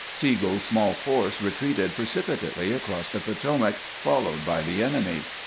Sigel's small force retreated precipitately across the Potomac, followed by the enemy.